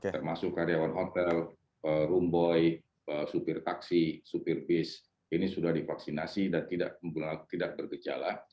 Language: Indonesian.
termasuk karyawan hotel roomboy supir taksi supir bis ini sudah divaksinasi dan tidak bergejala